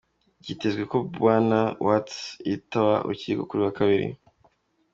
Byitezwe ko Bwana Watts yitaba urukiko kuri uyu wa kabiri.